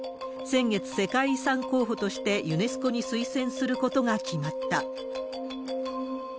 先月、世界遺産候補としてユネスコに推薦することが決まった。